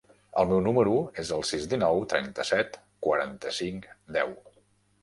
El meu número es el sis, dinou, trenta-set, quaranta-cinc, deu.